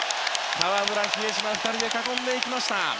河村、比江島の２人で囲んでいきました。